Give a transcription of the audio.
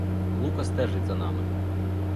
Лука стежить за нами.